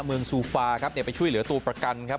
เมืองซูฟาครับเนี่ยไปช่วยเหลือตัวประกันครับ